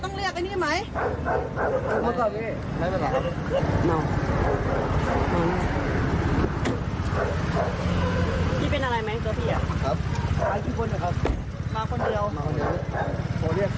โทรเรียกโทรเรียก